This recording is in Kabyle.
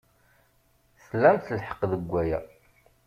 Tlamt lḥeqq deg waya.